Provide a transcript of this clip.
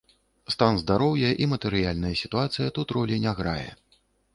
Стан здароўя і матэрыяльная сітуацыя тут ролі не грае.